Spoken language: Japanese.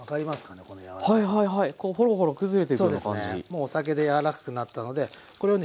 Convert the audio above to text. もうお酒で柔らかくなったのでこれをね